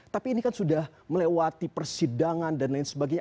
tapi ini kan sudah melewati persidangan dan lain sebagainya